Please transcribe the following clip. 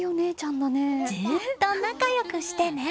ずっと仲良くしてね！